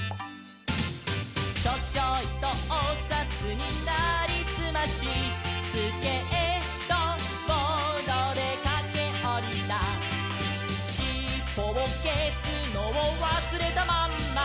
「チョチョイとおさつになりすまし」「スケートボードでかけおりた」「しっぽをけすのをわすれたまんま」